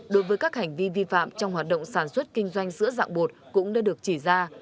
đối với các hành vi vi phạm trong hoạt động sản xuất kinh doanh sữa dạng bột cũng đã được chỉ ra